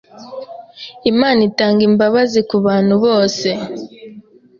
Imana itanga imbabazi kubantu bose